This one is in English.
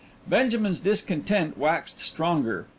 Benjamin's discontent waxed stronger.